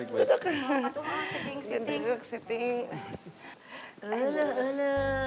oh duduk duduk